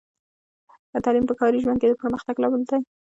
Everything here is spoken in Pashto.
تعلیم په کاري ژوند کې د پرمختګ لامل دی.